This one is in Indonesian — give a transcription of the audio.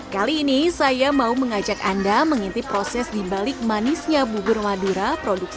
kali ini saya mau mengajak anda mengintip proses dibalik manisnya bubur madura